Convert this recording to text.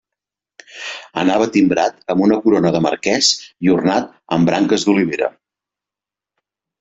Anava timbrat amb una corona de marquès i ornat amb branques d'olivera.